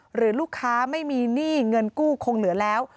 หรือลูกค้าไม่มีหนี้เงินกู้คงเหลือแล้ว